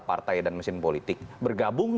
partai dan mesin politik bergabung